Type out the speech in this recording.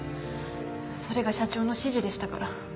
それが社長の指示でしたから。